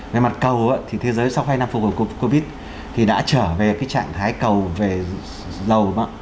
về mặt cầu thì thế giới sau hai năm phút của covid thì đã trở về trạng thái cầu về dầu